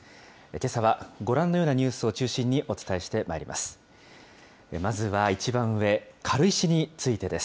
けさは、ご覧のようなニュースを中心にお伝えしてまいります。